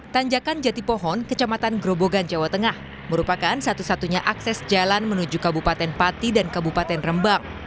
tanjakan jati pohon kecamatan grobogan jawa tengah merupakan satu satunya akses jalan menuju kabupaten pati dan kabupaten rembang